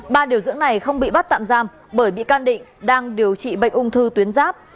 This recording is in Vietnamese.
ba điều dưỡng này không bị bắt tạm giam bởi bị can định đang điều trị bệnh ung thư tuyến giáp